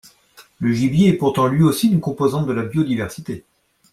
Le gibier est pourtant lui aussi une composante de la biodiversité.